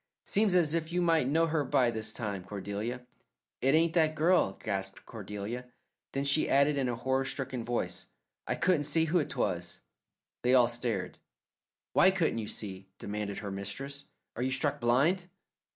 Seems as if you might know her by this time, Cordelia." "It ain't that girl," gasped Cordelia. Then she added in a horror stricken voice, "I couldn't see who 'twas." They all stared. "Why couldn't you see?" demanded her mistress. "Are you struck blind?"